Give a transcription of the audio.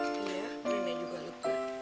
ya nih juga lupa